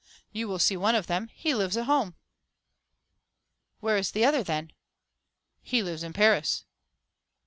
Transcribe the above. "You will see one of them he lives at home." "Where is the other, then?" "He lives in Paris."